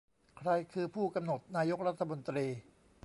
ใครคือผู้กำหนดนายกรัฐมนตรี